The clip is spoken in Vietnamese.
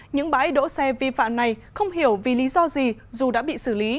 những bãi đỗ xe vi phạm này không hiểu vì lý do gì dù đã bị xử lý